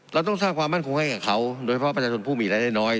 เราต้องสร้างความมั่นคงให้กับเขาโดยเฉพาะประชาชนผู้มีรายได้น้อย